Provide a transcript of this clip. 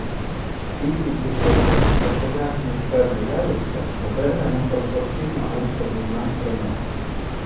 Кількість гіпотез, що пояснюють певне явище, обернено пропорційна обсягу знань про нього.